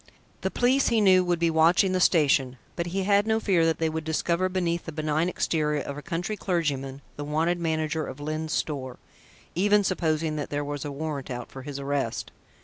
The police, he knew, would be watching the station, but he had no fear that they would discover beneath the benign exterior of a country clergyman, the wanted manager of Lyne's Store, even supposing that there was a warrant out for his arrest.